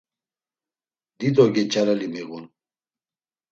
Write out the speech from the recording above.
Dido geç̌areli miğun.